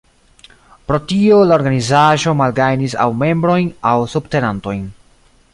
Pro tio, la organizaĵo malgajnis aŭ membrojn aŭ subtenantojn.